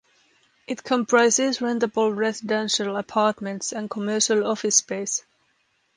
It comprises rentable residential apartments and commercial office space.